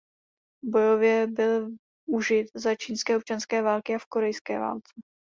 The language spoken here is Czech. Bojově byl užit za čínské občanské války a v korejské válce.